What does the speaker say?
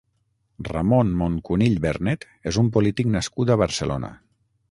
Ramon Moncunill Bernet és un polític nascut a Barcelona.